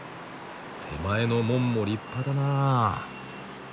手前の門も立派だなあ。